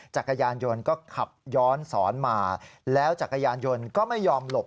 จักรยานยนต์ก็ขับย้อนสอนมาแล้วจักรยานยนต์ก็ไม่ยอมหลบ